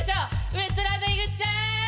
ウエストランド井口さーん！